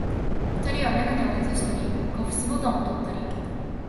二人はめがねをはずしたり、カフスボタンをとったり、